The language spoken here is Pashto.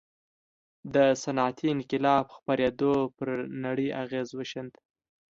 د صنعتي انقلاب خپرېدو پر نړۍ اغېز وښند.